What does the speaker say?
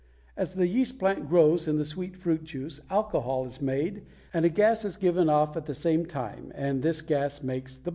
As the yeast plant grows in the sweet fruit juice, alcohol is made and a gas is given off at the same time, and this gas makes the bubbles.